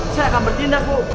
saya akan bertindak bu